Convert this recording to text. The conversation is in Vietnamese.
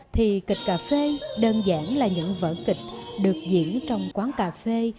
thì kịch cà phê đơn giản là những vở kịch được diễn trong quán cà phê